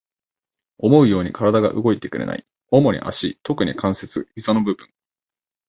思うように体が動いてくれない。主に足、特に関節、膝の部分。